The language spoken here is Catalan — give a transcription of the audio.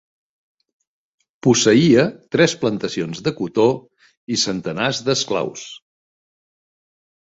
Posseïa tres plantacions de cotó i centenars d'esclaus.